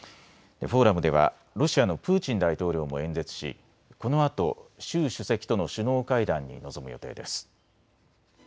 フォーラムではロシアのプーチン大統領も演説しこのあと習主席との首脳会談に臨む予定です。